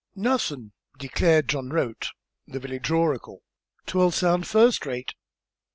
"Nothin'," declared John Rote, the village oracle. "'Twill sound first rate."